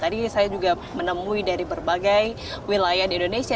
tadi saya juga menemui dari berbagai wilayah di indonesia